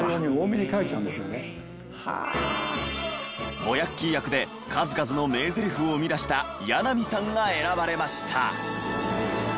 ボヤッキー役で数々の名ゼリフを生み出した八奈見さんが選ばれました。